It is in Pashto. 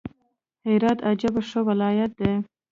هرات عجبه ښه ولايت دئ!